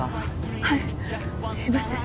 はいすいません。